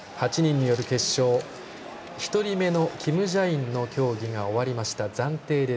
８人による決勝１人目のキム・ジャインの競技が終わりました。